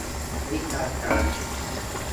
วิชาการ